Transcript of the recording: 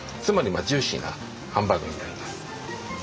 つまりジューシーなハンバーグになります。